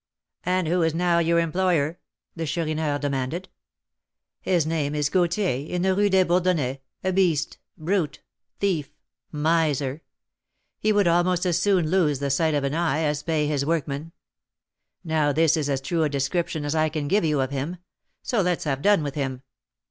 "And who is now your employer?" the Chourineur demanded. "His name is Gauthier, in the Rue des Bourdonnais, a beast brute thief miser! He would almost as soon lose the sight of an eye as pay his workmen. Now this is as true a description as I can give you of him; so let's have done with him.